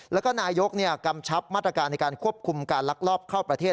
แล้วก็นายกกำชับมาตรการในการควบคุมการลักลอบเข้าประเทศ